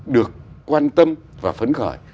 được quan tâm và phấn khởi